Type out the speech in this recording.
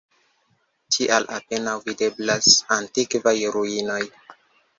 Tial apenaŭ videblas antikvaj ruinoj.